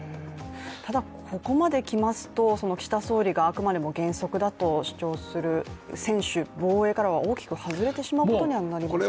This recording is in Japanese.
ただ、ここまで来ますと岸田総理があくまで原則だと主張する専守防衛からは大きく外れてしまうことになりますよね？